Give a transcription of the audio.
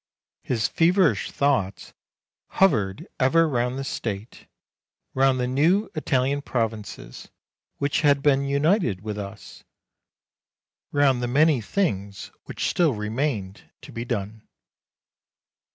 His feverish thoughts hovered ever round the State, round the new Italian provinces which had been united with us, round the many things which still remained to be done.